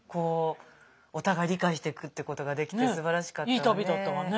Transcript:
お互い理解していくってことができてすばらしかったわね。